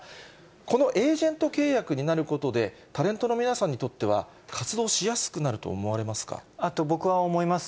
このエージェント契約になることで、タレントの皆さんにとっては、僕は思います。